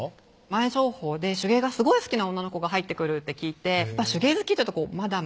前情報で「手芸がすごい好きな女の子が入ってくる」って聞いて手芸好きっていうとマダムとかご年配の方が多いので